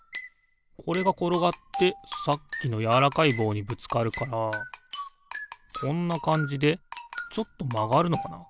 これがころがってさっきのやわらかいぼうにぶつかるからこんなかんじでちょっとまがるのかな。